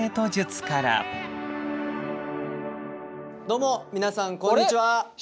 どうも皆さんこんにちは！